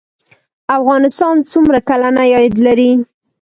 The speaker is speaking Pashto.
افغانستان څومره کلنی عاید لري؟